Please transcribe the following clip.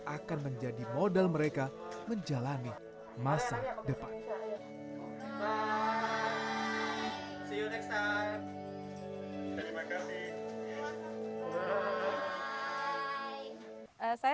akan menjadi modal mereka menjalani masa depan hai bye bye bye say you next time terima kasih